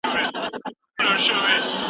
د ټولنیزو قوانینو رعایت د کرکې د کمښت سبب ګرځي.